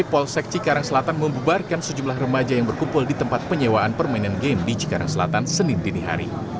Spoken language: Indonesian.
polsek cikarang selatan membubarkan sejumlah remaja yang berkumpul di tempat penyewaan permainan game di cikarang selatan senin dinihari